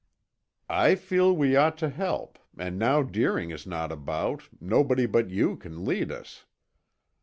"I feel we ought to help, and now Deering is not about, nobody but you can lead us."